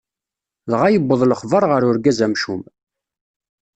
Dɣa yewweḍ lexbar ɣer urgaz amcum.